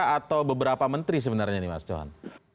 atau beberapa menteri sebenarnya nih mas johan